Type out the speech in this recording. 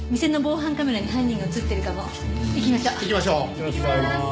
いってらっしゃい。